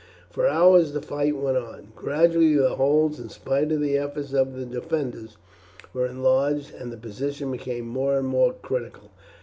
For hours the fight went on. Gradually the holes, in spite of the efforts of the defenders, were enlarged, and the position became more and more critical.